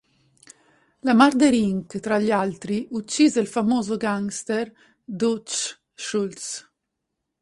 La Murder Inc tra gli altri uccise il famoso gangster Dutch Schultz.